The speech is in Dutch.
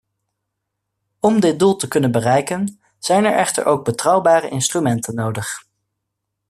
Om dit doel te kunnen bereiken, zijn er echter ook betrouwbare instrumenten nodig.